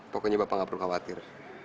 pokoknya bapak nggak perlu khawatir